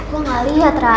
gue gak liat rara